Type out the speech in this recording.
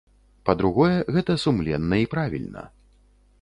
Па-другое, гэта сумленна і правільна.